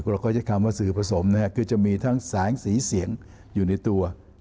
เราก็ใช้คำว่าสื่อผสมนะฮะคือจะมีทั้งแสงสีเสียงอยู่ในตัว